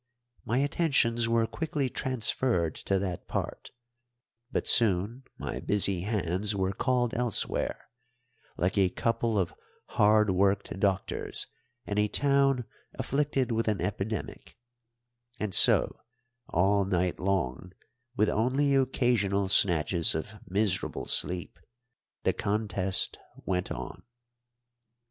My attentions were quickly transferred to that part; but soon my busy hands were called elsewhere, like a couple of hard worked doctors in a town afflicted with an epidemic; and so all night long, with only occasional snatches of miserable sleep, the contest went on.